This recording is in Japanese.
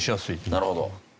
なるほど。